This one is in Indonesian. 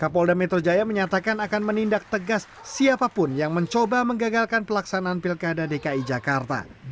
kapolda metro jaya menyatakan akan menindak tegas siapapun yang mencoba menggagalkan pelaksanaan pilkada dki jakarta